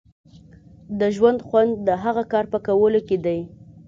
د ژوند خوند د هغه کار په کولو کې دی.